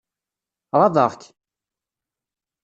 Ɣaḍeɣ-k?